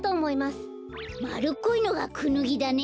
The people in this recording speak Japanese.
まるっこいのがクヌギだね。